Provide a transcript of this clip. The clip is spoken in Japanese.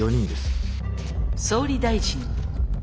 「総理大臣」。